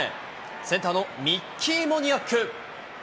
センターのミッキー・モニアック。